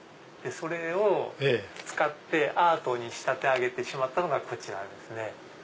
それを使ってアートに仕立て上げてしまったのがこちらですね。